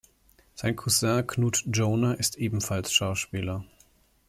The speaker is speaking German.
Sein Cousin Knut Joner ist ebenfalls Schauspieler.